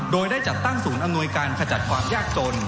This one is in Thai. โดยได้จัดตั้งศูนย์อำนวยการขจัดความยากจน